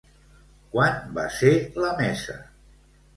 Quan va ser la mesa?